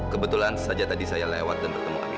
kebetulan saja tadi saya lewat dan bertemu amin